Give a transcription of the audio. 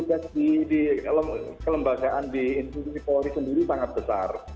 tugas di kelembagaan di institusi polri sendiri sangat besar